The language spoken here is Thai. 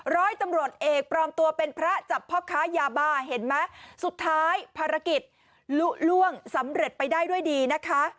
ร้อยตำรวจเอกปลอมตัวเป็นพระจับพ่อค้ายาบ้าเห็นไหมสุดท้ายภารกิจลุล่วงสำเร็จไปได้ด้วยดีนะคะ